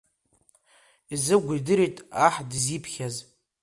Езыгә идырит аҳ дызиԥхьаз.